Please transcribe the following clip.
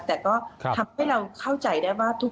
แต่ก็ทำให้เราเข้าใจได้ว่า